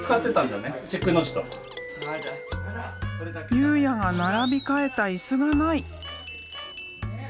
佑哉が並び替えた椅子がない！